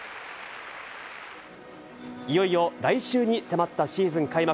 いよいよ来週に迫ったシーズン開幕。